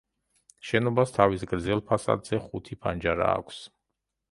შენობას თავის გრძელ ფასადზე ხუთი ფანჯარა აქვს.